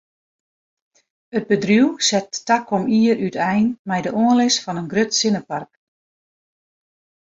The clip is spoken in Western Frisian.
It bedriuw set takom jier útein mei de oanlis fan in grut sinnepark.